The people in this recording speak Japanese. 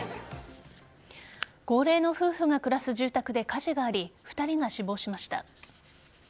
高齢の夫婦が暮らす住宅で火事があり、２人が死亡しました。